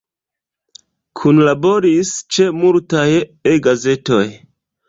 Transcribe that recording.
Kunlaboris ĉe multaj E-gazetoj.